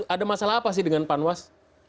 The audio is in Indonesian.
ada masalah apa sih dengan panwas